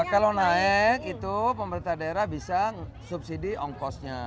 kalau naik itu pemerintah daerah bisa subsidi ongkosnya